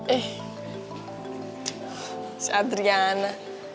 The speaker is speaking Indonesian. eh si adriana